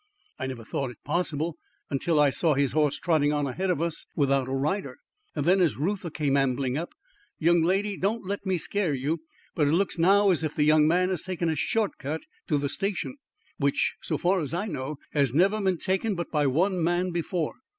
I never thought it a possible thing till I saw his horse trotting on ahead of us without a rider." Then as Reuther came ambling up, "Young lady, don't let me scare you, but it looks now as if the young man had taken a short cut to the station, which, so far as I know, has never been taken but by one man before.